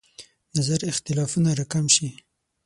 نظر اختلافونه راکم شي.